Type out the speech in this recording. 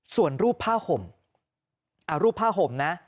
ส่วนรูปผ้าห่มรูปผ้าห่มนะ